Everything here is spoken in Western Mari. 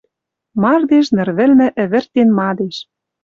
Мардеж ныр вӹлнӹ ӹвӹртен мадеш.